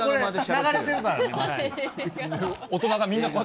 流れてるからね、これ。